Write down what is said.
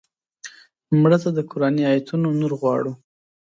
مړه ته د قرآني آیتونو نور غواړو